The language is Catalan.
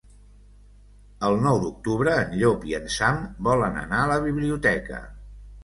El nou d'octubre en Llop i en Sam volen anar a la biblioteca.